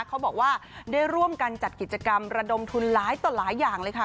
เขาบอกว่าได้ร่วมกันจัดกิจกรรมระดมทุนหลายต่อหลายอย่างเลยค่ะ